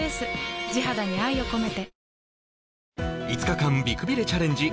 ５日間美くびれチャレンジ